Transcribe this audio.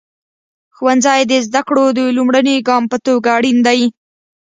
ښوونځی د زده کړو د لومړني ګام په توګه اړین دی.